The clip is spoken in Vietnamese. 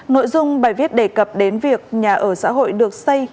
nội dung bài viết đề cập đến việc nhà ở xã hội được xây